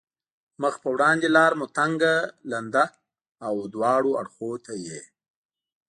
مخ په وړاندې لار مو تنګه، لنده او دواړو اړخو ته یې.